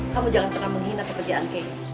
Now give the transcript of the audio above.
kamu jangan pernah menghina pekerjaan kei